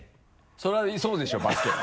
それはそうでしょうバスケは。